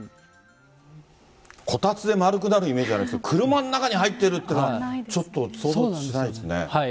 こたつで丸くなるイメージありますけど、車の中に入っているっていうのは、ちょっと想像しないですね。